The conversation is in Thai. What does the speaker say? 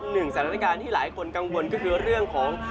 หนึ่งสถานการณ์ที่หลายคนกังวลก็คือเรื่องของ